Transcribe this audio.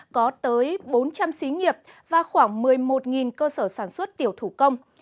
có tới bốn trăm linh xí nghiệp và khoảng một mươi một cơ sở sản xuất tiểu thủ công